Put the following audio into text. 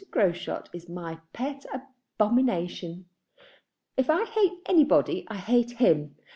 Groschut is my pet abomination. If I hate anybody, I hate him.